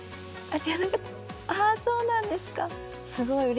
あっそうなんですか。